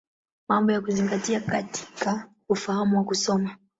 Mambo ya Kuzingatia katika Ufahamu wa Kusoma.